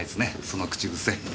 その口癖。